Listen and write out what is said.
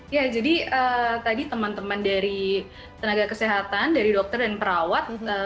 ya jadi tadi teman teman dari tenaga kesehatan dari dokter dan perawat